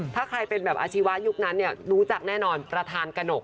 ถ้าใครเป็นแบบอาชีวะยุคนั้นรู้จักแน่นอนประธานกระหนก